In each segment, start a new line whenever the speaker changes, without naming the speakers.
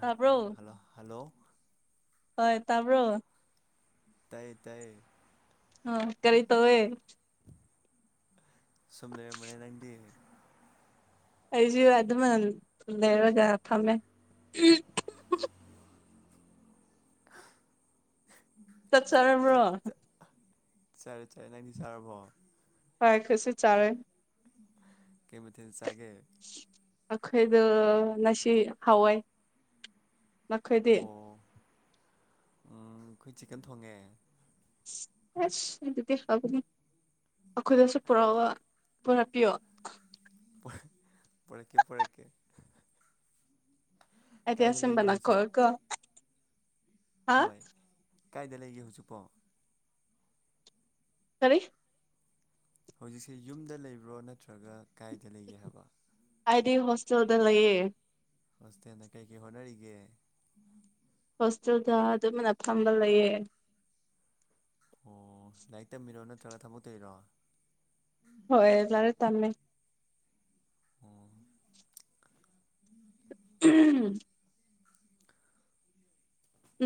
ꯇꯥꯕ꯭ꯔꯣ
hello hello
ꯍꯣꯏ ꯇꯥꯕ꯭ꯔꯣ
ꯇꯥꯏ ꯇꯥꯏ
ꯑ ꯀꯔꯤ ꯇꯧꯋꯦ
ꯁꯨꯝꯗ ꯃꯅꯦ ꯂꯩꯗꯤ
ꯑꯩꯁꯨ ꯑꯗꯨꯃ ꯂꯩꯔꯖꯥꯅ ꯊꯝꯃꯦ ꯇ ꯆꯔ
ꯆꯔꯦ ꯆꯔꯦ ꯅꯪꯗꯤ ꯆꯥꯔꯕꯣ
ꯐꯔꯦꯈꯠꯁꯤꯠ ꯆꯥꯔꯦ
ꯀꯃꯤ ꯊꯁꯒꯦ
ꯑꯩꯈꯣꯏꯗ ꯉꯁꯤ ꯍꯥꯎꯋꯏ ꯃꯈꯈꯣꯏꯗꯤ
ꯑꯪ ꯀꯈꯣꯏ ꯆꯤꯀꯅ ꯊꯣꯡꯉꯦ
ꯑꯁ ꯑꯁ ꯑꯗꯨꯗꯤ ꯍꯥꯏꯕꯅꯤ ꯑꯩꯈꯣꯏꯗꯁꯨ ꯄꯨꯔꯛꯑꯣ ꯄꯨꯔꯛꯄꯤꯌꯣ
ꯄꯔꯦꯀꯦ ꯄꯔꯦꯀꯦ
ꯑꯦꯗꯤ
ꯀꯥꯏꯗ ꯂꯩꯒꯦ
ꯆꯨꯝꯕꯅꯥ ꯀꯣ
ꯍꯧꯖꯤꯛ
ꯀꯣ
ꯍꯣꯏ ꯀꯥꯏꯗ ꯂꯩꯒꯦ ꯍꯧꯖꯤꯛꯄꯣ
ꯈꯔꯤ
ꯍꯧꯖꯤꯛꯁꯦ ꯌꯨꯝꯗ ꯂꯩꯕ꯭ꯔꯣ ꯅꯠꯇ꯭ꯔꯒ ꯀꯥꯏꯗ ꯂꯩꯒꯦ ꯍꯥꯏꯕ
ꯑꯗꯤ ꯍꯣꯁꯇꯦꯜꯗ ꯂꯩꯑꯦ
ꯍꯣꯁꯇꯦꯟꯗ ꯀꯩꯀꯩ ꯍꯣꯠꯅꯔꯤꯒꯦ
ꯍꯣꯁꯇꯦꯜꯗ ꯑꯗꯨꯝꯅ ꯐꯝꯕ ꯂꯩꯌꯦ
ꯑꯣ ꯂꯥꯏꯔꯤꯛ ꯇꯝꯕꯤꯔꯣ ꯅꯠꯇ꯭ꯔꯒ ꯊꯕ ꯇꯔꯤꯔꯣ
ꯍꯣꯏ ꯂꯔꯦ ꯇꯝꯃꯦ
ꯑꯣ
ꯎꯝ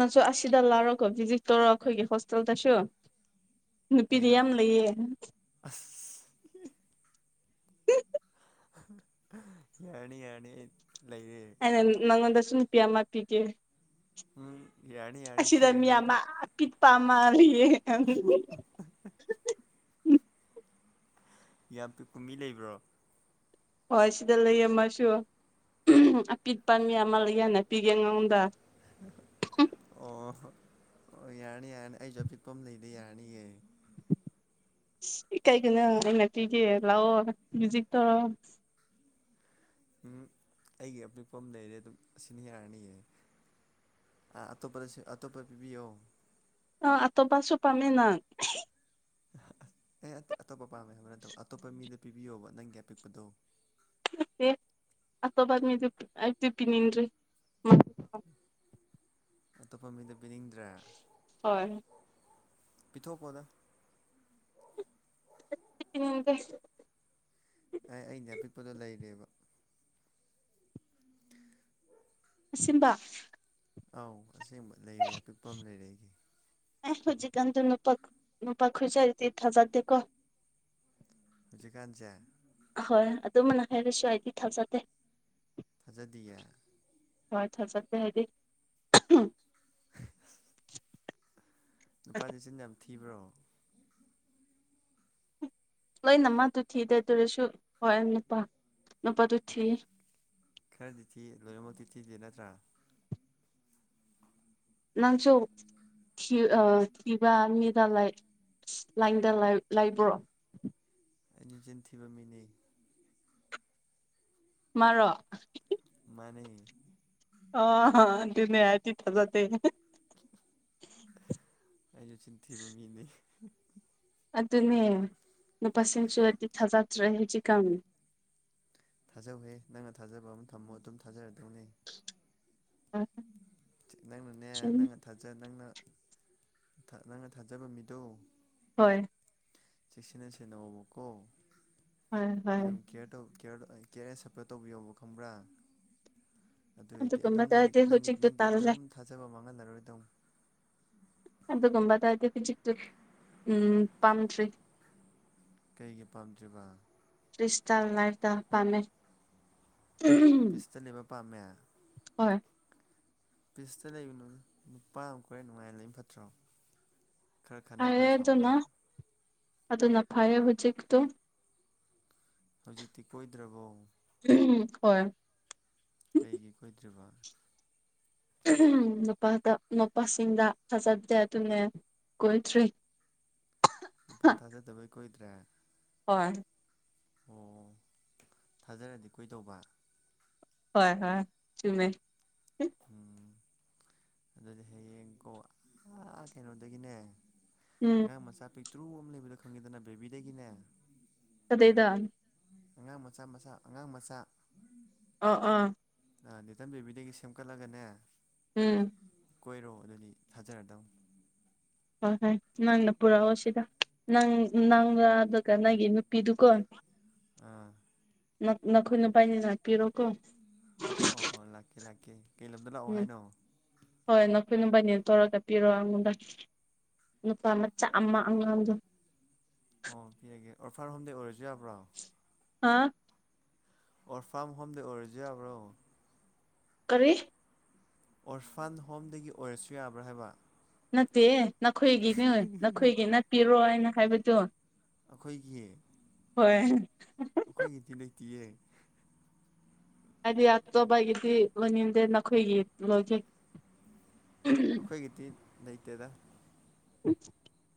ꯅꯪꯁꯨ ꯑꯁꯤꯗ ꯂꯥꯎꯔꯒꯣ ꯚꯤꯖꯤꯠ ꯇꯧꯔ ꯑꯩꯈꯣꯏꯒꯤ ꯍꯣꯁꯇꯦꯜꯗꯁꯨ ꯅꯨꯄꯤꯗꯤ
ꯑꯩꯔꯣ
ꯌꯥꯝ ꯌꯥꯝ ꯂꯩꯌꯦ
ꯑꯁ ꯌꯥꯔꯅꯤ ꯌꯥꯔꯅꯤ ꯑꯩ ꯂꯩꯔ
ꯅꯪꯣꯗꯁꯨꯨꯝ ꯅꯨꯄꯤꯤ ꯃꯥ ꯄꯤ ꯀꯦ
ꯎꯝ ꯌꯥꯅꯤ ꯌꯥꯅꯤ ꯄꯤꯔꯅ ꯑꯗꯨ
ꯄꯤꯠ ꯄꯥ ꯃꯥꯔꯤꯌꯦ
[inaudible] ꯌꯥꯝ ꯄ ꯀꯨꯝꯕꯤ ꯂꯩꯕ꯭ꯔꯣ
ꯍꯣꯏ ꯁꯤꯗ ꯂꯩꯌꯦ ꯑꯃꯁꯁꯨ ꯑꯄꯤꯠꯄ ꯃꯤ ꯑꯃ ꯂꯩ ꯍꯥꯏꯅ ꯄꯤꯒꯦ ꯑꯩꯉꯣꯟꯗ
ꯑꯣ ꯑꯣ ꯌꯥꯔꯅꯤ ꯌꯥꯔꯅꯤ ꯑꯩꯁꯨ ꯑꯄꯤꯛꯄ ꯂꯩꯗ ꯌꯥꯔꯅꯤꯌꯦ
ꯀꯩꯒꯤꯅꯣ ꯑꯩꯩꯅ ꯄꯤꯒꯦ ꯂꯥꯛꯑꯣ ꯃ꯭ꯌꯨꯖꯤꯛ ꯇꯧꯔꯣ
ꯎꯝ ꯑꯩꯒꯤ ꯑꯄꯤꯛꯄ ꯑꯃ ꯂꯩꯔꯦ ꯑꯗꯨꯝ ꯑꯁꯤꯅꯤ ꯌꯥꯔꯅꯤꯌꯦ ꯑꯇꯣꯞꯄꯗꯁꯨ ꯑꯇꯣꯞꯄ ꯄꯤꯕꯤꯌꯣ
ꯑ ꯑꯇꯣ ꯄꯁꯨꯁꯨ ꯄꯥꯝꯃꯦ ꯅꯅꯥ
ꯑꯦ ꯑꯇꯣꯞꯄ ꯄꯥꯝꯃꯦ ꯍꯥꯏꯕ ꯅꯠꯇꯕ ꯑꯇꯣꯞꯄ ꯃꯤꯗ ꯄꯤꯕꯤꯌꯣꯕ ꯅꯪꯒꯤ ꯑꯄꯤꯛꯄꯗꯣ
ꯦ ꯑꯣꯕꯥꯃꯤꯗꯨ ꯇꯗꯤ ꯄꯅꯤꯟꯔꯤ
ꯑꯇꯣꯞꯄ ꯃꯤꯗ ꯄꯤꯅꯤꯡꯗ꯭ꯔꯦ
ꯍꯣꯏ
ꯄꯤꯊꯣꯛꯄꯣꯅꯦ
ꯄꯤꯅꯤꯡꯗꯦ
ꯑꯦ ꯑꯩꯅꯦ ꯑꯄꯤꯛꯄꯗꯣ ꯂꯩꯔꯦꯕ
ꯑꯁꯤꯕ
ꯑꯧ ꯑꯁꯦꯡꯕ ꯂꯩꯔꯦ ꯑꯄꯤꯛꯄ ꯑꯃ ꯂꯩꯔꯦ ꯑꯩꯒꯤ
ꯑꯦ ꯍꯧꯖꯤꯛꯀꯥꯟꯗ ꯅꯨꯄꯥ ꯅꯨꯄꯥ ꯈꯆꯗꯤ ꯊꯥꯖꯗꯦꯀꯣ
ꯍꯧꯖꯤꯛꯀꯥꯟꯁꯤꯦ
ꯍꯣꯏ ꯑꯗꯨꯝꯕꯅ ꯍꯥꯏꯔꯁꯨ ꯑꯩꯗꯤ ꯊꯥꯖꯗꯦ
ꯐꯖꯗꯤꯌꯦ
ꯍꯣꯏ ꯆ ꯆꯠꯗ ꯍꯥꯏꯗꯤ
ꯅꯨꯄꯥ ꯂꯤꯆꯤꯟ ꯌꯥꯝ ꯊꯤꯕ꯭ꯔꯣ
ꯂꯣꯏꯅꯃꯛꯗꯨ ꯊꯤꯗ ꯑꯗꯨꯔꯁꯨ ꯍꯣꯏ ꯅꯨꯄꯥ ꯅꯨꯄꯥꯗꯨ ꯊꯤ
ꯈꯔꯗꯤ ꯊꯤ ꯂꯣꯏꯅꯃꯛꯇꯤ ꯊꯤꯗꯦ ꯅꯠꯇ꯭ꯔꯥ
ꯅꯪꯁꯨ ꯏꯕꯃꯤꯗꯥ ꯂꯥꯏ ꯂꯥꯏꯗ ꯂꯥꯏ ꯂꯥꯏꯕ꯭ꯔꯣ
ꯑꯩꯗꯤ ꯆꯤꯟꯊꯤꯕ ꯃꯤꯅꯦ
ꯃꯔꯣ
ꯃꯥꯅꯦ
ꯑꯣ ꯑꯗꯨꯅꯦ ꯑꯩꯗꯤ ꯊꯖꯗꯦ
ꯑꯩꯁꯨ ꯆꯤꯟꯊꯤꯕ ꯃꯤꯅꯤ
ꯑꯗꯨꯅꯦ ꯅꯨꯄꯥꯁꯤꯡꯁꯨꯗꯤ ꯊꯥꯖꯗ꯭ꯔꯦ ꯍꯧꯖꯤꯛꯀꯝ
ꯊꯥꯖꯍꯧꯍꯦ ꯅꯪꯅ ꯊꯥꯖꯕ ꯑꯃ ꯊꯝꯃꯣ ꯑꯗꯨꯝ ꯊꯥꯖꯔꯗꯧꯅꯦ ꯅꯪꯅꯅꯦ ꯅꯪ ꯊꯖ ꯅꯪꯅ ꯅꯪꯅ ꯊꯥꯖꯕ ꯃꯤꯗꯣ
ꯍꯣꯏ
ꯆꯦꯛꯁꯤꯟꯅ ꯁꯦꯟꯅꯕꯀꯣ
ꯍꯣꯏ ꯍꯣꯏ
ꯑꯗꯨꯝ ꯀꯦꯌꯔ ꯀꯦꯌꯔ ꯑꯦ ꯁꯞꯄꯣꯔꯠ ꯇꯧꯕꯤꯌꯣꯕ ꯈꯪꯕ꯭ꯔꯥ ꯑꯗꯨꯑꯣꯏꯗꯤ ꯑꯗꯨꯝ ꯅꯪꯒꯤ
ꯑꯗꯨꯒꯨꯝꯕꯗꯗꯤ
ꯅꯪꯒꯤ
ꯍꯧꯖꯤꯛꯇꯨ
ꯅꯪꯒꯤ
ꯇꯜꯂꯦ
ꯑꯗꯨꯝ ꯊꯥꯖꯕ ꯃꯥꯡꯍꯜꯂꯔꯣꯏꯗꯧ
ꯑꯗꯨꯒꯨꯝꯕꯗ ꯍꯥꯏꯗꯤ ꯐꯖꯤꯛꯇꯨ ꯎꯝ ꯄꯥꯝꯗ꯭ꯔꯤ
ꯀꯩꯒꯤ ꯄꯥꯝꯗ꯭ꯔꯤꯕ
ꯄ꯭ꯤꯁꯇꯜ ꯂꯩꯄꯗ ꯄꯥꯝꯃꯦ
ꯄꯤꯁꯇ ꯂꯩꯕ ꯄꯥꯝꯃꯦ
ꯍꯣꯏ
ꯐꯤꯁꯇ ꯂꯩꯕꯅꯣ ꯅꯨꯄꯥ ꯑꯃ ꯀꯣꯏꯔꯦ ꯅꯨꯡꯉꯥꯏꯅ ꯂꯩꯝ ꯐꯠꯇ꯭ꯔꯣ ꯈꯔ ꯈꯠꯅ ꯈꯔ
ꯐꯥꯏꯌꯦ
ꯁꯥꯎꯅ
ꯑꯗꯨꯅ ꯑꯗꯨꯅ ꯐꯩꯌꯦ ꯍꯧꯖꯤꯛꯇꯣ
ꯍꯧꯖꯤꯛꯇꯤ ꯀꯣꯏꯗ꯭ꯔꯕꯣ
ꯍꯣꯏ
ꯀꯩꯒꯤ ꯀꯣꯏꯗ꯭ꯔꯤꯕ
ꯅꯨꯄꯥꯗ ꯅꯨꯄꯥꯁꯤꯡꯗ ꯊꯥꯖꯗꯦ ꯑꯗꯨꯅꯦ ꯀꯣꯏꯗ꯭ꯔꯤ
ꯅꯨꯄꯥ
ꯍꯥ
ꯊꯥꯖꯗꯕꯩ ꯀꯨꯏꯗ꯭ꯔꯦ
ꯍꯣꯏ
ꯑꯣ ꯊꯥꯖꯔꯗꯤ ꯀꯣꯏꯗꯧꯕ
ꯍꯣꯏ ꯍꯣꯏ ꯆꯨꯝꯃꯦ
ꯎꯝ ꯑꯗꯨꯗꯤ ꯍꯌꯦꯡꯀꯣ ꯑꯥ ꯀꯩꯅꯣꯗꯒꯤꯅꯦ
ꯎꯝ
ꯑꯉꯥꯡ ꯃꯆꯥ ꯄꯤꯇ꯭ꯔꯨ ꯑꯃ ꯂꯩꯕꯗꯣ ꯈꯪꯉꯦꯗꯅ ꯕꯦꯕꯤꯗꯒꯤꯅꯦ
ꯀꯗꯩꯗ
ꯑꯉꯥꯡ ꯃꯆꯥ ꯃꯆꯥ ꯑꯉꯥꯡ ꯃꯆꯥ
ꯑꯣ ꯑꯥ
[unintelligible] ꯕꯦꯕꯤꯗꯒꯤ ꯁꯦꯝꯀꯠꯂꯒꯅꯦ
ꯎꯝ
ꯀꯣꯏꯔꯣ ꯑꯗꯨꯗꯤ ꯊꯥꯖꯔꯗꯧꯅꯤ
ꯍꯣꯏ ꯍꯣꯏ ꯅꯪꯅ ꯄꯨꯔꯛꯑꯣ ꯁꯤꯗ ꯅꯪ ꯅꯪꯒ ꯑꯗꯨꯒ ꯅꯪꯒꯤ ꯅꯨꯄꯤꯗꯨꯀꯣ
ꯑ
ꯅꯈꯣꯏ ꯅꯨꯄꯥꯥꯏꯅꯤ ꯂꯥꯛꯄꯤꯔꯣ ꯀꯣ
ꯑꯣ ꯑꯣ ꯂꯥꯛꯀꯦ ꯂꯥꯛꯀꯦ ꯀꯩ ꯂꯝꯗ ꯂꯥꯛꯑꯣ
ꯎꯝ
ꯍꯥꯏꯅꯣ
ꯍꯣꯏ ꯅꯈꯣꯏ ꯅꯕꯥꯏꯅꯦ ꯇꯧꯔꯒ ꯄꯤꯔꯣ ꯑꯩꯉꯣꯟꯗ ꯅꯨꯄꯥ ꯃꯆꯥ ꯑꯃ ꯑꯉꯥꯡꯗꯣ
ꯑꯣ ꯄꯤꯒꯦ ꯑꯣꯔꯐꯔ ꯍꯣꯝꯗꯤ ꯑꯣꯏꯔꯁꯨ ꯌꯥꯕ꯭ꯔꯣ
ꯍꯥꯥ
ꯑꯣꯔꯐꯥꯝ ꯍꯣꯝꯗ ꯑꯣꯏꯔꯁꯨ ꯌꯥꯕ꯭ꯔꯣ
ꯀꯔꯤ
ꯑꯣꯔꯐꯥꯟ ꯍꯣꯝꯗꯒꯤ ꯑꯣꯏꯔꯁꯨ ꯌꯥꯕ꯭ꯔꯥ ꯍꯥꯏꯕ
ꯅꯠꯇꯦ ꯅꯈꯣꯏꯒꯤꯅꯦ ꯅꯈꯣꯏꯒꯤ ꯅꯠꯄꯤꯔꯣ ꯍꯥꯏꯅ ꯍꯥꯏꯕꯗꯨ
ꯑꯩꯈꯣꯏꯒꯤ
ꯍꯣꯏꯦ
ꯑꯩꯈꯣꯏꯒꯤꯗꯤ [unintelligible]
ꯍꯥꯏꯗꯤ ꯑꯇꯣꯞꯄꯒꯤꯗꯤ ꯂꯣꯏꯅꯤꯡꯗꯦ ꯅꯈꯣꯏꯒꯤ ꯂꯧꯒꯦ
ꯑꯩꯈꯣꯏꯒꯤꯗꯤ ꯂꯩꯇꯦꯗ
ꯎꯝ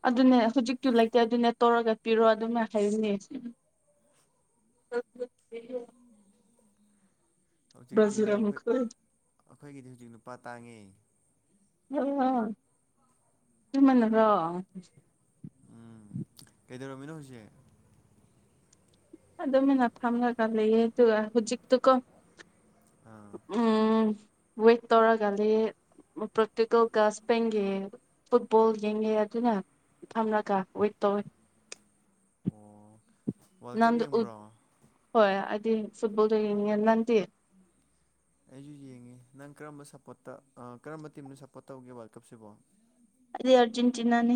ꯑꯗꯨꯅꯦ ꯍꯧꯖꯤꯛꯇꯨ ꯂꯩꯇꯦ ꯑꯗꯨꯅꯦ ꯇꯧꯔꯒ ꯄꯤꯔꯣ ꯑꯗꯨꯝ ꯍꯩꯔꯅꯤ [unintelligible] ꯕ꯭ꯔꯥꯖꯤꯜ
ꯍꯧꯖꯤꯛꯇꯤꯅꯦ ꯑꯩꯈꯣꯏ
ꯃꯈꯣꯏ
ꯑꯩꯈꯣꯏꯒꯤꯗꯤ ꯍꯧꯖꯤꯛ ꯅꯨꯄꯥ ꯇꯥꯡꯉꯦ
[unintelligible]
ꯎꯝ ꯀꯩꯗꯧꯔꯝꯃꯤꯅꯣ ꯍꯧꯖꯤꯛ
ꯑꯗꯨꯝꯅ ꯐꯝꯃꯒ ꯂꯩꯌꯦ ꯑꯗꯨꯒ ꯍꯧꯖꯤꯛ ꯇꯨꯀꯣ
ꯑꯥ
ꯎꯝ ꯋꯦꯠ ꯇꯧꯔꯒꯗꯤ ꯄ꯭ꯔꯦꯛꯇꯤꯀꯦꯜ ꯒꯥ ꯁ꯭ꯄꯦꯡꯒꯦ ꯐꯨꯠꯕꯣꯜ ꯌꯦꯡꯉꯦ ꯑꯗꯨꯅ ꯊꯝꯂꯒ ꯋꯦꯠ ꯇꯧꯋꯦ
ꯑꯣ ꯋꯥꯔꯜ ꯀꯞ
ꯅꯪ ꯎ
ꯌꯦꯡꯕ꯭ꯔꯣ
ꯍꯣꯏ ꯑꯗꯤ ꯐꯨꯠꯕꯣꯜ ꯇ ꯅꯪꯗꯤ
[unintelligible] ꯑꯩꯁꯨ ꯌꯦꯡꯉꯤ ꯅꯪ ꯀꯔꯝꯕ ꯁꯞꯄꯣꯔꯠꯇ ꯀꯔꯝꯕ ꯇꯤꯝꯅ ꯁꯞꯄꯣꯔꯠ ꯇꯧꯒꯦ ꯋꯥꯔꯜ ꯀꯞꯁꯤꯕꯣ
ꯑꯩꯗꯤ ꯑꯔꯖꯦꯟꯇꯤꯅꯥꯅꯤ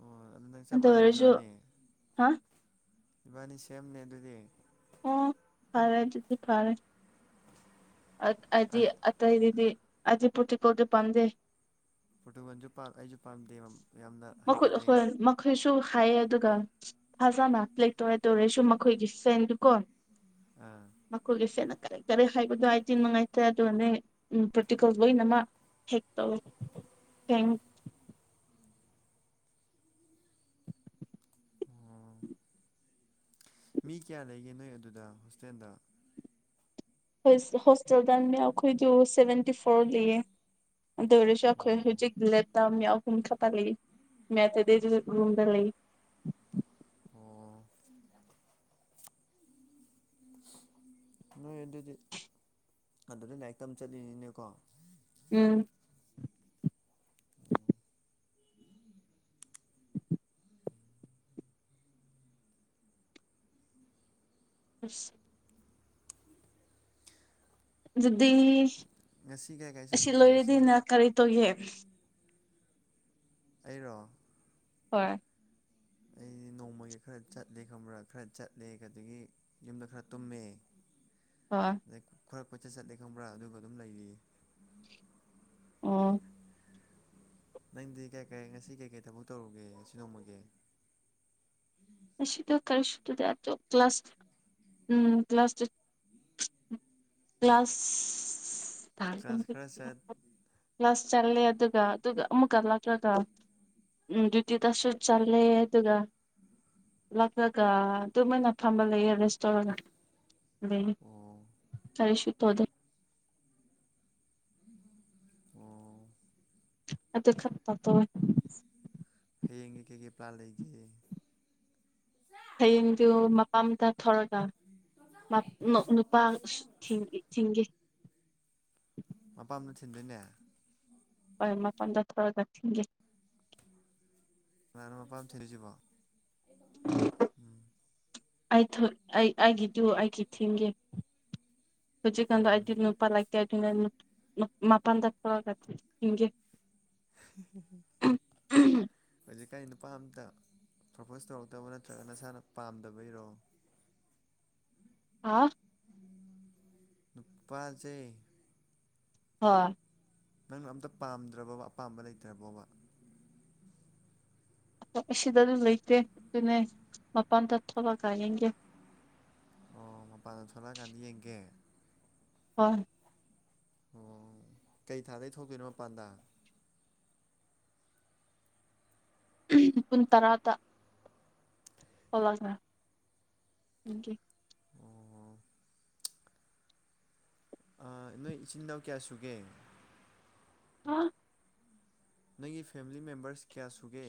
ꯑꯣ ꯑꯗꯨ ꯅꯪ ꯆꯞ ꯃꯥꯟꯅꯔꯦ ꯏꯕꯥꯅꯤ
ꯍꯥ
ꯏꯕꯥꯅꯤ ꯁꯦꯝꯅꯦ ꯑꯗꯨꯗꯤ
ꯑꯣ ꯐꯔꯦ ꯑꯗꯨꯗꯤ ꯐꯔꯦ ꯑꯥ ꯑꯩꯗꯤ ꯑꯇꯩꯗꯨꯗꯤ ꯑꯩꯗꯤ ꯄ꯭ꯔꫭꯇꯨꯒꯜꯖꯨ ꯄꯥꯝꯗꯦ
ꯄ꯭ꯔꫭꯇꯨꯒꯜꯖꯨ ꯄꯥꯝ ꯑꯩꯁꯨ ꯄꯥꯝꯗꯦ ꯌꯥꯝꯅ
ꯃꯈꯨ
ꯍꯥꯏꯒꯠꯂꯦ
ꯍꯣꯏ ꯃꯈꯣꯏꯁꯨ ꯍꯥꯏꯌꯦ ꯑꯗꯨꯒ ꯐꯖꯅ ꯂꯩꯇꯣꯔꯔ ꯇꯧꯔꯦ ꯁꯨꯝ ꯃꯈꯣꯏꯒꯤ ꯁꯦꯟ
ꯑꯥ
ꯃꯈꯣꯏꯒꯤ ꯁꯦꯠꯅ ꯀꯔꯤ ꯀꯔꯤ ꯍꯥꯏꯕꯗꯣ ꯍꯥꯏꯗꯤ ꯅꯨꯡꯉꯥꯏꯇ꯭ꯔꯦ ꯑꯗꯨꯅꯦ ꯎ ꯄ꯭ꯔꯦꯛꯇꯤꯀꯦꯜ ꯂꯣꯏꯅꯃꯛ [unintelligible]
ꯑꫭ ꯃꯤ ꯀꯌꯥ ꯂꯩꯒꯦ ꯅꯣꯏ ꯑꯗꯨꯗ ꯍꯣꯁꯇꯦꯜꯗ
ꯍꯣꯏ ꯍꯣꯁꯇꯦꯜꯗ ꯃꯤ ꯑꯩꯈꯣꯏꯗꯨ ꯁꯚꯦꯟꯇꯤ ꯐꯣꯔ ꯂꯩꯌꯦ ꯑꯗꯨ ꯑꫭꯏꯔꯁꯨ
ꯑꯣ
ꯑꯩꯈꯣꯏ ꯍꯧꯖꯤꯛ ꯂꯦꯠꯇ ꯃꯤ ꯑꯌꯨꯝ ꯈꯛꯇ ꯂꯩꯌꯦ [unintelligible] ꯔꯨꯝꯝꯗ ꯂꯩ
ꯑꯣ ꯅꯣꯏ ꯑꯗꯨꯗꯤ ꯑꯗꯨꯗꯩ ꯂꯥꯏꯔꯤꯛꯇꯝ ꯆꯡꯂꯛ ꯏꯅꯤꯅꯦꯀꯣ
ꯎꯝ
[unintelligible]
[unintelligible] ꯑꯗꯨꯗꯤ
ꯉꯁꯤ ꯀꯥꯏ ꯀꯥꯏ
ꯑꯁꯤ
ꯆꯠꯂꯨꯒꯦ ꯉꯁꯤ
ꯂꯣꯏꯔꯗꯤꯅ ꯀꯔꯤ ꯇꯧꯒꯦ
ꯑꯩꯔꯣ
ꯍꯣꯏ
ꯑꯩꯗꯤ ꯅꯣꯡꯃꯒꯤ ꯈꯔ ꯆꯠꯂꯦ ꯈꯪꯕ꯭ꯔꯥ ꯈꯔ ꯆꯠꯂꯦ ꯑꯗꯒꯤ ꯌꯨꯝꯗ ꯈꯔ ꯇꯨꯝꯃꯦ
ꯑ
ꯑꯗꯩ ꯈꯔ ꯀꯣꯏꯆꯠ ꯆꯠꯂꯦ ꯈꯪꯕ꯭ꯔꯥ ꯑꯗꯨꯒ ꯑꯗꯨꯝ ꯂꯩꯔꯤꯌꯦ꯫
ꯑꯣ꯫
ꯅꯪꯗꯤ ꯀꯩ ꯀꯔꯤ ꯉꯁꯤ ꯀꯩꯀꯩ ꯊꯕꯛ ꯇꯧꯔꯨꯒꯦ ꯑꯁꯤ ꯅꯣꯡꯃꯒꯤ꯫
ꯉꯑꯁꯤꯗꯣ ꯀꯔꯤꯁꯨꯇꯧꯗꯦ ꯀ꯭ꯂꯥꯁ ꯎꯝ ꯀ꯭ꯂꯥꯁ ꯀ꯭ꯂꯥꯁ
ꯀ꯭ꯂꯥꯁ ꯈꯔ ꯆꯠ
ꯀ꯭ꯂꯥꯁ ꯆꯠꯂꯦ ꯑꯗꯨꯒ ꯑꯗꯨꯒ ꯑꯃꯨꯛꯀ ꯂꯥꯛꯂꯒ ꯎꯝ ꯑꯗꯨꯇꯤꯗꯁꯨ꯫ ꯆꯠꯂꯦ ꯑꯗꯨꯒ ꯍꯜꯂꯥꯛꯂꯒ ꯇꯨꯃꯤꯟꯅ ꯐꯝꯃꯥ ꯂꯩꯌꯦ ꯔꯦꯁ ꯇꯣꯔ ꯂꯩ
ꯑꯣ
ꯀꯔꯤꯁꯨ ꯇꯧꯗꯦ꯫
ꯑꯣ꯫
ꯑꯗꯨꯗꯈꯠꯇ ꯇꯋꯦ꯫
ꯍꯌꯦꯡꯒꯤ ꯀꯩꯀꯩ ꯄ꯭ꯂꯥꯟ ꯂꯩꯒꯦ꯫
ꯍꯌꯦꯡꯗꯨ ꯃꯄꯥꯝꯇ ꯊꯧꯔꯒ ꯅꯨꯄꯥ ꯊꯤꯡꯒꯦ ꯊꯤꯡꯒꯦ
ꯃꯄꯥꯝꯗ ꯊꯤꯟꯗꯣꯏꯅꯦ꯫
ꯍ‌ꯣꯏ ꯃꯄꯟꯗ ꯇꯧꯔ ꯊꯤꯟꯒꯦ꯫
ꯀꯅꯅꯣ ꯃꯄꯥꯝ ꯊꯤꯔꯤꯁꯤꯕꯣ꯫
ꯑꯩ ꯑꯩ ꯑꯩꯒꯤꯗꯨ ꯑꯩꯒꯤ ꯊꯤꯡꯒꯦ ꯍꯧꯖꯤꯀꯟꯗ‌ꯣ
ꯑꯣ
ꯑꯩ ꯅꯨꯄꯥ ꯂꯩꯇ‌‌ꯦ ꯑꯗꯨꯅ ꯅꯨ ꯃꯄꯥꯟ ꯊ‌‌ꯣꯔꯛꯑꯒ ꯊꯤꯟꯒ‌ꯦ꯫
ꯍꯧꯖꯤꯛꯀꯥꯟ ꯅꯨꯄꯥ ꯑꯝꯇ ꯄ꯭ꯔꯄꯣꯁ ꯇꯧꯔꯛꯇꯕ ꯅꯠꯇ꯭ꯔꯒ ꯅꯁꯥꯅ ꯄꯥꯝꯗꯕꯩꯔꯣ꯫
ꯍꯥ꯫
ꯅꯨꯄꯥꯁꯦ
ꯍꯣꯏ
ꯅꯪꯅ ꯑꯝꯇ ꯄꯥꯝꯗ꯭ꯔꯕꯕ ꯑꯄꯥꯝꯕ ꯂꯩꯇ꯭ꯔꯕꯣꯕ꯫
ꯑꯁꯤ ꯁꯤꯗ ꯑꯗꯨꯝ ꯂꯩꯇꯦ ꯑꯗꯨꯅꯦ ꯃꯄꯥꯟꯗ ꯊꯣꯛꯂꯒ ꯌꯦꯡꯒꯦ
ꯑꯣ ꯃꯄꯥꯟꯗ ꯊꯣꯛꯂꯛꯑꯀꯥꯟꯗ ꯌꯦꯡꯒꯦ꯫
ꯍꯣꯏ꯫
ꯑꯣ ꯀꯩ ꯊꯥꯗꯒꯤ ꯊꯣꯛꯇꯣꯏꯅꯣ ꯃꯄꯥꯟꯗ꯫
ꯄꯨꯟ ꯇꯔꯥꯗ꯫ [unintelligible] ꯊꯣꯛꯂꯒ [unintelligible]
ꯑꯣ ꯑ ꯅꯣꯏ ꯏꯆꯤꯟ ꯏꯅꯥꯎ ꯀꯌꯥ ꯁꯨꯒꯦ꯫
ꯍꯥ
ꯅ‌ꯣꯏꯒꯤ ꯐꯦꯃꯤꯂꯤ ꯃꯦꯝꯕꯔꯁ‌ꯦ ꯀꯌꯥ ꯁꯨꯒꯦ꯫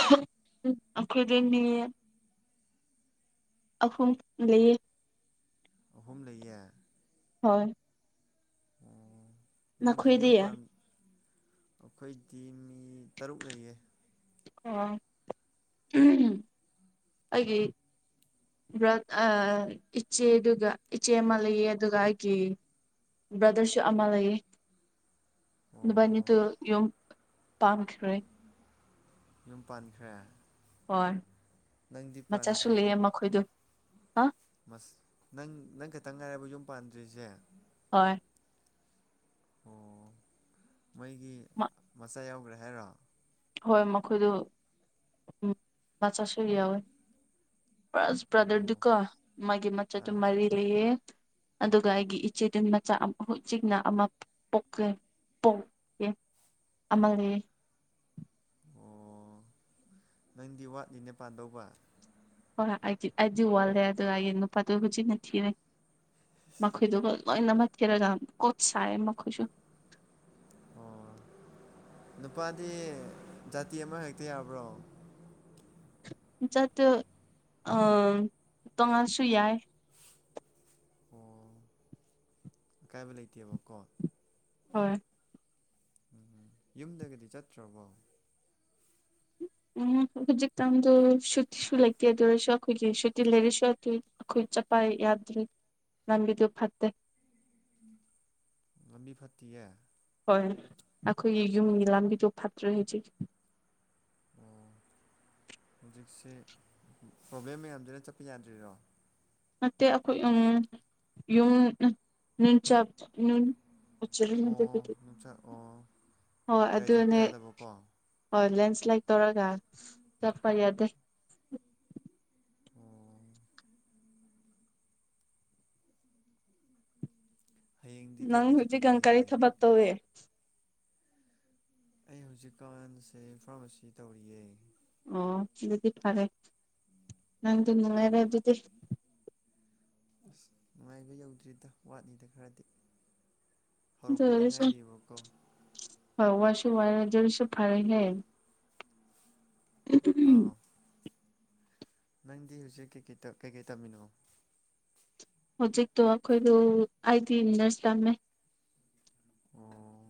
[unintelligible] ꯑꯩꯈꯣꯏꯗꯤ ꯃꯤ ꯑꯍꯨꯝ ꯂꯩꯌꯦ꯫
ꯑꯍꯨꯝ ꯂꯩꯌꯦ꯫
ꯍꯣꯏ꯫
ꯑꯣ ꯃꯣꯏꯗꯤ
ꯅꯈꯣꯏꯗꯤ
ꯌꯨꯝꯄꯥꯟ ꯑꯩꯈꯣꯏꯗꯤ ꯃꯤ ꯇꯔꯨꯛ ꯂꯩꯌꯦ꯫
ꯑꯣ ꯎꯝ ꯑꯩꯒꯤ [unintelligible] ꯏꯆꯦꯗꯨꯒ ꯏꯆꯦ ꯑꯃ ꯂꯩꯌꯦ ꯑꯗꯨꯒ ꯑꯩꯒꯤ ꯕ꯭ꯔꯗꯔꯁꯨ ꯑꯃ ꯂꯩꯌꯦ꯫
ꯑꯣ
ꯅꯕꯅꯤꯗ‌ꯨ ꯌꯨꯝ ꯄꯥꯟꯈ꯭ꯔꯦ
ꯌꯨꯝ ꯄꯥꯟꯈ꯭ꯔꯦ
ꯍꯣꯏ
ꯅꯪꯗꯤ
ꯃꯆꯥꯁꯨ
ꯄꯥꯟꯗ꯭ꯔꯤ
ꯂꯩꯑꯦ ꯃꯈꯣꯏꯗꯨ ꯍꯥ
ꯅꯪ ꯅꯪ ꯈꯇꯪ ꯉꯥꯏꯔꯕ ꯌꯨꯝ ꯄꯥꯟꯗ꯭ꯔꯤꯁꯦ꯫
ꯍꯣꯏ꯫
ꯑꯣ ꯃꯩꯒꯤ ꯃꯆꯥ ꯌꯥꯎꯈ꯭ꯔꯦ ꯍꯥꯏꯔꯣ꯫
ꯍꯣꯏ ꯃꯈꯣꯏꯗꯨ ꯎꯝ ꯃꯆꯥꯠꯁꯨ [unintelligible] ꯌꯥꯎꯋꯤ ꯁ
ꯑꯣ
ꯕ꯭ꯔꯥꯗꯔꯗꯨꯀꯣ [unintelligible] ꯃꯥꯒꯤ ꯃꯆꯗꯨ
ꯑꯥ
ꯃꯔꯤ [unintelligible] ꯂꯩꯌꯦ ꯑꯗꯨꯒ ꯑꯩꯒꯤ ꯏꯆꯦꯗꯨ ꯃꯆꯥ ꯍꯧꯖꯤꯛꯅ ꯑꯃ ꯄꯣꯛꯀꯦ ꯄꯣꯛꯀꯦ ꯑꯃ ꯂꯩ
ꯑꯣ ꯅꯪꯗꯤ ꯋꯥꯠꯂꯤꯅꯦ ꯄꯥꯟꯗꯧꯕ
ꯍꯣꯏ ꯑꯩꯗꯤ ꯑꯩꯗꯤ ꯋꯥꯜꯂꯦ ꯑꯗꯨꯒꯤ ꯅꯨꯄꯥꯗꯨ ꯍꯧꯖꯤꯛꯅ ꯊꯤꯔꯦ ꯃꯈꯣꯏꯗꯨꯒ ꯂꯣꯏꯅꯃꯛ ꯊꯤꯔꯒ ꯀꯣꯠ ꯁꯥꯏꯌ‌ꯦ ꯃꯈꯣꯏꯁꯨ
ꯑꯣ ꯅꯨꯄꯥꯗꯤ ꯖꯥꯇꯤ ꯑꯃ ꯍꯦꯛꯇ ꯌꯥꯕ꯭ꯔꯣ
ꯆꯗꯣ [unintelligible] ꯑ ꯇꯣꯉꯥꯡꯁꯨ ꯌꯥꯏ
ꯑꯣ ꯀꯀꯥꯏꯕ ꯂꯩꯇꯦꯕ ꯀꯣ
ꯍꯣꯏ
ꯎꯝ ꯎꯝ ꯌꯨꯝꯗꯒꯗꯤ ꯆꯠꯇ꯭ꯔꯕꯣ
ꯎꯝ ꯍꯧꯖꯤꯛꯇꯥꯟꯗꯣ ꯁꯨꯇꯤꯁꯨ ꯂꯩꯇꯦ ꯑꯗꯨ ꯑꯣꯏꯔꯁꯨ ꯑꯩꯈꯣꯏꯒꯤ ꯁꯨꯇꯤ ꯂꯩꯔꯁꯨ ꯑꯗꯨꯏ ꯑꯩꯈꯣꯏ ꯆꯄꯥꯏ ꯌꯥꯗ꯭ꯔꯤ ꯉꯥꯟꯕꯤꯗꯨ [unintelligible] ꯐꯠꯇꯦ
ꯂꯝꯕꯤ ꯐꯠꯇꯤꯌ‌ꯦ
ꯍꯣꯏ ꯑꯩꯈꯣꯏꯒꯤ ꯌꯨꯝꯒꯤ ꯂꯝꯕꯤꯗꯣ ꯐꯠꯇ꯭ꯔꯦ ꯍꯧꯖꯤꯛ
ꯑꯣ ꯍꯧꯖꯤꯛꯁꯦ ꯄ꯭ꯔꯣꯕ꯭ꯂꯦꯝ ꯃꯌꯥꯝꯁꯤꯅ ꯆꯠꯄ ꯌꯥꯗ꯭ꯔꯤꯔꯣ
ꯅꯦꯠꯇ‌ꯦ ꯑꯩꯈꯣꯏ ꯎꯝ ꯌꯨꯝ ꯅꯤꯟꯆꯥꯥꯛ ꯎꯝ ꯎꯆꯔ ꯃ
ꯑꯣ
ꯄꯗꯤ [unintelligible]
ꯅꯨꯡꯁꯥꯛ ꯑꯣ
ꯍꯣꯏ
ꯒꯥꯔꯤ ꯆꯠꯄ
ꯑꯗꯨꯅꯦ
ꯌꯥꯗꯕꯀꯣ
ꯍꯣꯏ ꯂꯦꯟꯁ꯭ꯂꯥꯏꯠ ꯇꯧꯔꯒ ꯆꯠꯄ ꯌꯥꯗꯦ
ꯎꯝ ꯍꯌꯦꯡꯗꯤ ꯀꯥꯏ
ꯅꯪ
ꯀꯥꯏ ꯆꯠꯇꯧꯕ
ꯍꯛꯖꯤꯀꯥꯟ ꯀꯥꯔꯤ
ꯂꯩꯒꯦ
ꯊꯕꯛ‌ ꯇꯋꯦ
ꯑꯩ ꯍꯧꯖꯤꯛꯀꯥꯟꯁꯦ ꯐꯥꯔꯃꯥꯁꯤ ꯇꯧꯔꯤꯌꯦ
ꯑꯣ ꯑꯗꯨꯗꯤ [unintelligible] ꯐꯔꯦ ꯅꯪꯗꯤ
ꯑꯣ
ꯅꯨꯡꯉꯥꯏꯔꯦ ꯑꯗꯨꯗꯤ
ꯑꯁ ꯅꯨꯡꯉꯥꯏꯕ ꯌꯧꯗ꯭ꯔꯤꯗ ꯋꯥꯠꯅꯤꯗ ꯈꯔꯗꯤ ꯍꯧꯔꯛꯄꯗ ꯉꯥꯏꯔꯤꯕꯀꯣ
ꯍ ꯋꯥ ꯋꯥꯁꯨ ꯋꯥꯏꯖꯔꯤ [unintelligible] ꯁ ꯐꯥꯔ ꯂꯩ
ꯑꯥꯎ ꯅꯪꯗꯤ ꯍꯧꯖꯤꯛ ꯀꯩꯀꯩ ꯀꯩꯀꯩ ꯇꯝꯃꯤꯅꯣ
ꯍꯧꯖꯤꯛꯇꯣ ꯑꯩꯈꯣꯏꯗꯣ ꯑꯩꯗꯤ ꯅꯔꯁ ꯇꯝꯃꯦ
ꯑꯣ